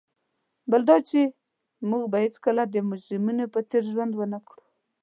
بل دا چي موږ به هیڅکله د مجرمینو په څېر ژوند ونه کړو.